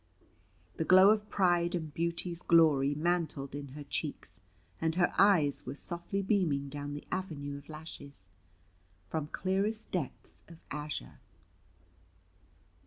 The glow of pride and beauty's glory mantled in her cheeks; and her eyes were softly beaming down the avenue of lashes, from clearest depths of azure.